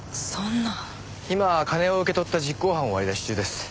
今金を受け取った実行犯を割り出し中です。